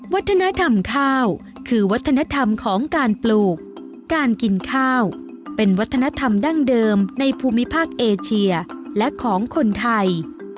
วัฒนธรรมข้าวคือวัฒนธรรมของการปลูกการกินข้าวเป็นวัฒนธรรมดั้งเดิมในภูมิภาคเอเชียและของคนไทย